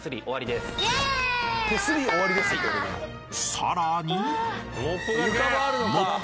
［さらに］